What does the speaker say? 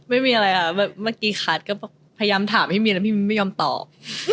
ไม่มีอะไรอ่ะเมื่อกี้คาร์ดก็พยายามถามให้มีนแล้วพี่มีนไม่ยอมตอบ